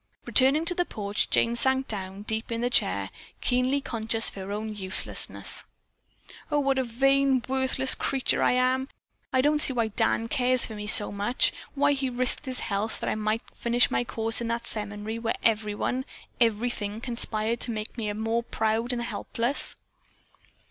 Returning to the porch, Jane sank down in the deep chair, keenly conscious of her own uselessness. "Oh, what a vain, worthless creature I am! I don't see why Dan cares for me so much; why he risked his health that I might finish my course in that seminary where everyone, everything, conspired to make me more proud and helpless."